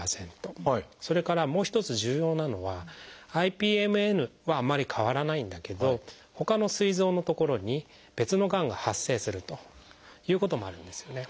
それからもう一つ重要なのはＩＰＭＮはあんまり変わらないんだけどほかのすい臓の所に別のがんが発生するということもあるんですよね。